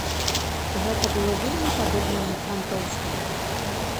Гэта было вельмі падобна на франтаўство.